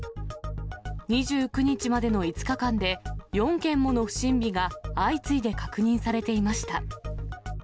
２９日までの５日間で、４件もの不審火が相次いで確認されていました。